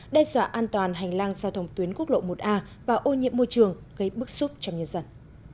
đe dọa an toàn hành lang giao thông tuyến quốc lộ một a và ô nhiễm môi trường gây bức xúc trong nhân dân